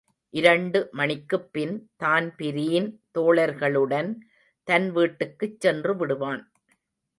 இரண்டு மணிக்குப் பின் தான்பிரீன் தோழர்களுடன் தன்வீட்டுக்குச் சென்றுவிடுவான்.